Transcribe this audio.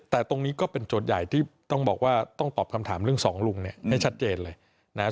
แต่ตรงนี้ก็เป็นโจทย์ใหญ่ที่ต้องบอกว่าต้องตอบคำถามเรื่องสองลุงเนี่ยให้ชัดเจนเลยนะครับ